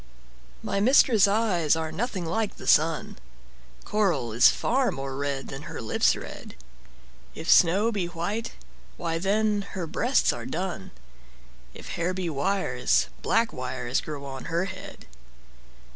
MY mistress' eyes are nothing like the sun; Coral is far more red than her lips' red; If snow be white, why then her breasts are dun; If hairs be wires, black wires grow on her head.